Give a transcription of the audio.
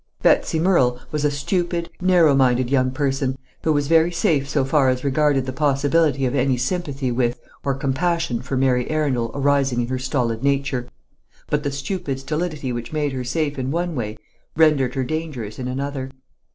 Betsy Murrel was a stupid, narrow minded young person, who was very safe so far as regarded the possibility of any sympathy with, or compassion for, Mary Arundel arising in her stolid nature; but the stupid stolidity which made her safe in one way rendered her dangerous in another.